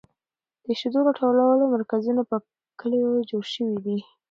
د شیدو راټولولو مرکزونه په کلیو کې جوړ شوي دي.